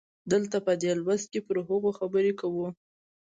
دلته په دې لوست کې پر هغو خبرې کوو.